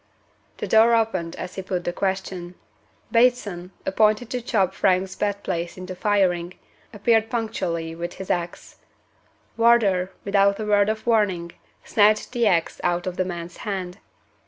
The door opened as he put the question. Bateson appointed to chop Frank's bed place into firing appeared punctually with his ax. Wardour, without a word of warning, snatched the ax out of the man's hand.